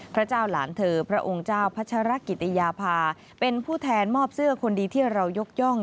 พระเจ้าหลานเธอพระองค์เจ้าพัชรกิติยาภาเป็นผู้แทนมอบเสื้อคนดีที่เรายกย่อง